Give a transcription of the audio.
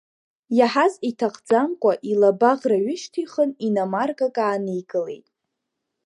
Иаҳаз иҭахӡамкәа, илаба ӷра ҩышьҭихын, иномаркак ааникылеит.